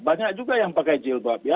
banyak juga yang pakai jilbab ya